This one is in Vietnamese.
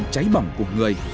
cháy bỏng của người